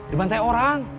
di bantai orang